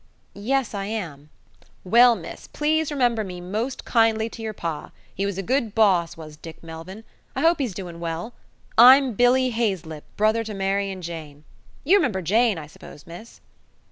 "Yes, I am." "Well, miss, please remember me most kindly to yer pa; he was a good boss was Dick Melvyn. I hope he's doin' well. I'm Billy Haizelip, brother to Mary and Jane. You remember Jane, I s'pose, miss?"